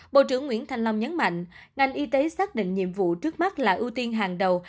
bộ trưởng nguyễn thanh long nhấn mạnh ngành y tế xác định nhiệm vụ trước mắt là ưu tiên hàng đầu